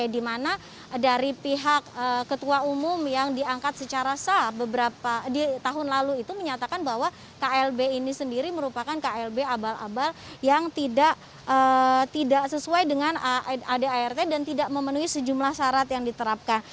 di mana dari pihak ketua umum yang diangkat secara sah di tahun lalu itu menyatakan bahwa klb ini sendiri merupakan klb abal abal yang tidak sesuai dengan adart dan tidak memenuhi sejumlah syarat yang diterapkan